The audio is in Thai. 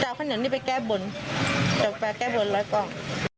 จะเอาข้าวเหนียวนี้ไปแก้บนจะไปแก้บนร้อยกล่อง